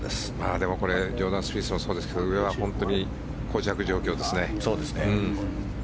でも、これジョーダン・スピースもそうですが上は本当にこう着状況ですね。